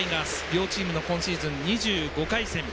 両チームの今シーズン２５回戦。